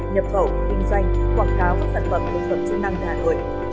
nhập khẩu kinh doanh quảng cáo các sản phẩm cung cấp chức năng đà nội